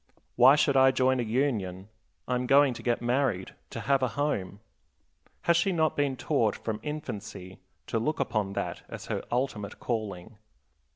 "Why should I join a union? I am going to get married, to have a home." Has she not been taught from infancy to look upon that as her ultimate calling?